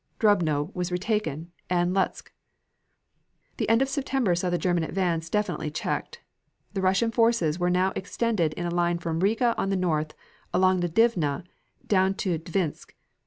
Dubno was retaken and Lutsk. The end of September saw the German advance definitely checked. The Russian forces were now extended in a line from Riga on the north, along the river Dvina, down to Dvinsk.